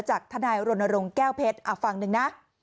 ทนายรณรงค์แก้วเพชรฝั่งหนึ่งนะ